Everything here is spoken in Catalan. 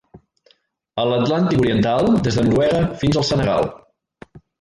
A l'Atlàntic Oriental, des de Noruega fins al Senegal.